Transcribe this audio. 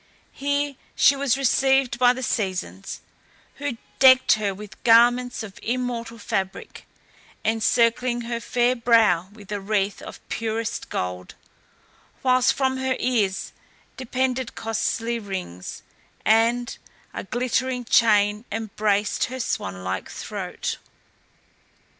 Here she was received by the Seasons, who decked her with garments of immortal fabric, encircling her fair brow with a wreath of purest gold, whilst from her ears depended costly rings, and a glittering chain embraced her swan like throat.